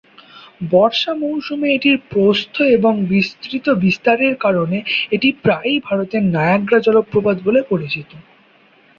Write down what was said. বর্ষা মৌসুমে এটির প্রস্থ এবং বিস্তৃত বিস্তারের কারণে এটি প্রায়ই ভারতের নায়াগ্রা জলপ্রপাত বলে পরিচিত।